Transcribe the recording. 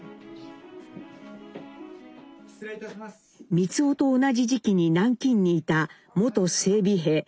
光男と同じ時期に南京にいた元整備兵鈴木善雄さん